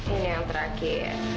ini yang terakhir